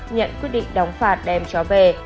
nhận quyết định đóng phạt đem chó về